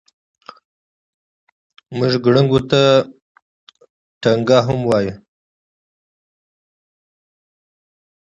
موږ ګړنګو ته ټنګه هم وایو.